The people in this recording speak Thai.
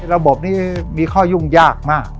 ระบบนี้มีข้อยุ่งยากมาก